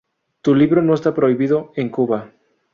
Tu libro no está prohibido en Cuba'".